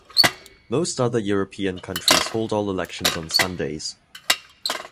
Most other European countries hold all Elections on Sundays.